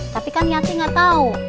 tapi kan yati gak tau